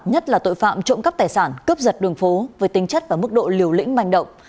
nhất là tội phạm trộm cắp tài sản cướp giật đường phố với tinh chất và mức độ liều lĩnh manh động